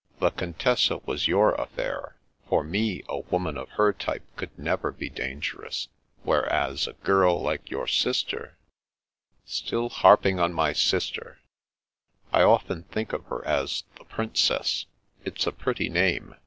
"The Contessa was your affair. For me, a woman of her t)rpe could never be dangerous. Whereas, a girl like your sister "" Still harping on my sister I "" I often think of her as * The Princess.' It's a pretty name.